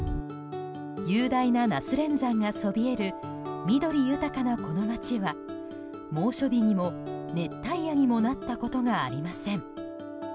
雄大な那須連山がそびえる緑豊かなこの町は猛暑日にも熱帯夜にもなったことがありません。